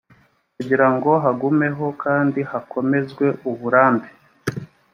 kugirango hagumeho kandi hakomezwe uburambe